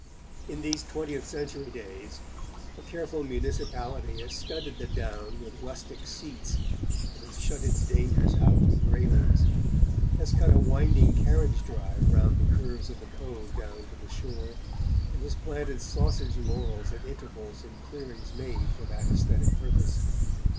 In these twentieth century days, a careful municipality has studded the down with rustic seats and has shut its dangers out with railings, has cut a winding carriage drive round the curves of the cove down to the shore, and has planted sausage laurels at intervals in clearings made for that aesthetic purpose.